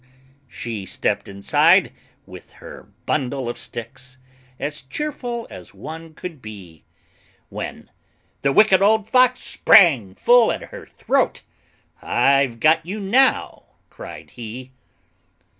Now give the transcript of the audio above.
She stepped inside with her bundle of sticks, As cheerful as one could be, When the Wicked Old Fox sprang full at her throat. "I've got you now!" cried he.